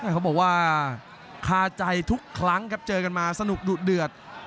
เขาบอกว่าคาใจทุกครั้งครับเจอกันมาสนุกดุเดือด